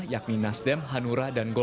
yakni nasdem hanura dan golkar